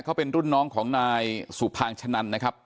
เขาเป็นรุ่นน้องของนายสุภางชะนันนะครับ